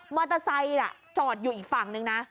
มอเตอร์ไซค์จอดอยู่อีกฝั่งนึงนะ